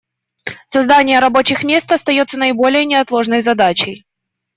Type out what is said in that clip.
Создание рабочих мест остается наиболее неотложной задачей.